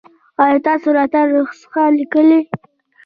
ایا تاسو راته نسخه لیکئ؟